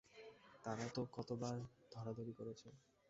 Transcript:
তারা তো কতবার ধরাধরি করেছে।